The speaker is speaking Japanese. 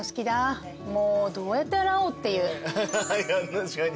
確かに。